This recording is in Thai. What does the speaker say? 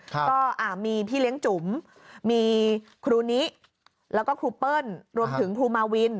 ก็มีพี่เลี้ยงจุ๋มมีครูนิแล้วก็ครูเปิ้ลรวมถึงครูมาวิน